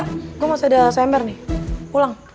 ayo gue masih ada semer nih pulang